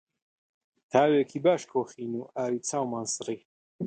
تاوێکی باش کۆخین و ئاوی چاومان سڕی